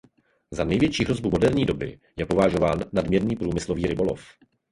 Za největší hrozbu moderní doby je považován nadměrný průmyslový rybolov.